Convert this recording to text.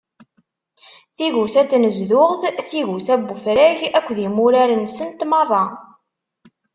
Tigusa n tnezduɣt, tigusa n ufrag akked imurar-nsent meṛṛa.